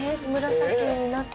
紫になってるか。